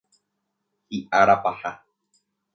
Hi'ára paha.